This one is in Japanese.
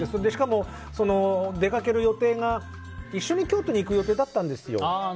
しかも、出かける予定が一緒に京都に行く予定だったんですよ。